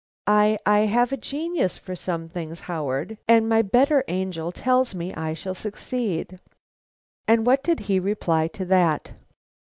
I I have a genius for some things, Howard; and my better angel tells me I shall succeed.'" "And what did he reply to that?"